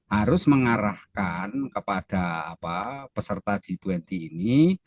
harus mengarahkan kepada peserta g dua puluh ini